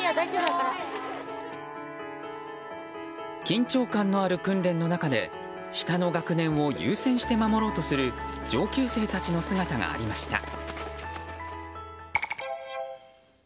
緊張感のある訓練の中で下の学年を優先して守ろうとする上級生たちの姿がありました。